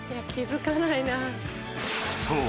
［そう。